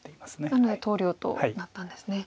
なので投了となったんですね。